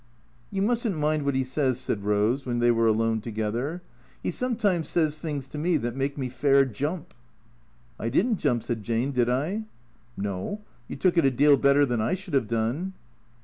" You must n't mind what 'e says," said Eose, when they THE CEEA TOES 137 were alone together, " 'E sometimes says things to me that make me fair jump." " I did n't jump," said Jane, " did I ?"" No. You took it a deal better than I should have done."